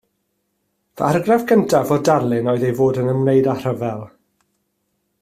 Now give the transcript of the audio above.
Fy argraff gyntaf o'r darlun oedd ei fod ei yn ymwneud â rhyfel